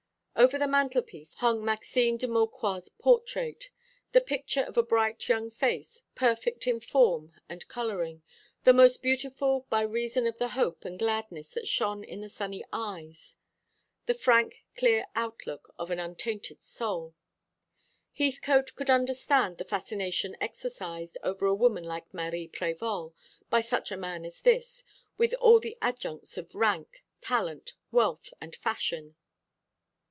Over the mantelpiece hung Maxime de Maucroix's portrait, the picture of a bright young face, perfect in form and colouring, but most beautiful by reason of the hope and gladness that shone in the sunny eyes, the frank clear outlook of an untainted soul. Heathcote could understand the fascination exercised over a woman like Marie Prévol by such a man as this, with all the adjuncts of rank, talent, wealth, and fashion.